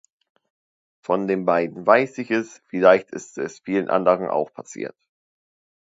Von den beiden weiß ich es, vielleicht ist es vielen anderen auch passiert.